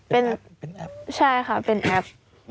เป็นแอป